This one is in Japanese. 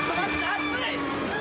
熱い。